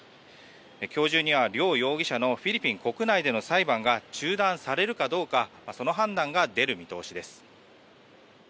今日中には両容疑者のフィリピン国内での裁判が中断されるかどうかその判断が出る見通しです。